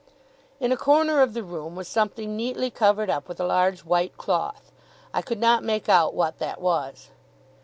In a corner of the room was something neatly covered up with a large white cloth. I could not make out what that was.